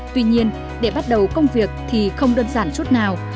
tuy nhiên để bắt đầu công việc thì không đơn giản chút nào